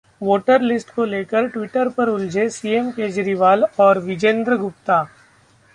voter list को लेकर Twitter पर उलझे सीएम केजरीवाल और विजेंद्र गुप्ता